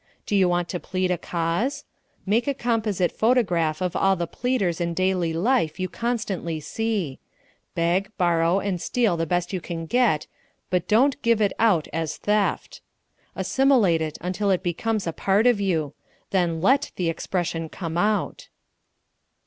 Do you want to plead a cause? Make a composite photograph of all the pleaders in daily life you constantly see. Beg, borrow, and steal the best you can get, BUT DON'T GIVE IT OUT AS THEFT. Assimilate it until it becomes a part of you then let the expression come out.